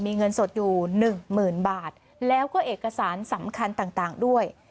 มีเงินสดอยู่หนึ่งหมื่นบาทแล้วก็เอกสารสำคัญต่างด้วย